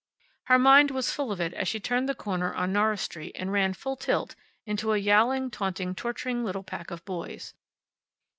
Her mind was full of it as she turned the corner on Norris Street and ran full tilt, into a yowling, taunting, torturing little pack of boys.